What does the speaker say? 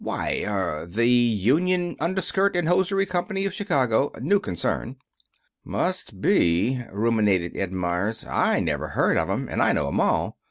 "Why er the Union Underskirt and Hosiery Company of Chicago. New concern." "Must be," ruminated Ed Meyers. "I never heard of 'em, and I know 'em all.